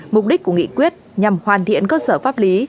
mục đích của nghị quyết nhằm hoàn thiện cơ sở pháp lý